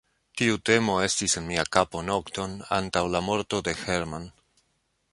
Tiu temo estis en mia kapo nokton antaŭ la morto de Hermann.